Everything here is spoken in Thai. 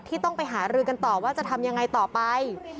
ต้องไปหารือกันต่อว่าจะทำยังไงต่อไป